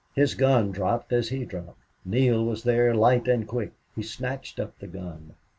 His gun dropped as he dropped. Neale was there light and quick. He snatched up the gun.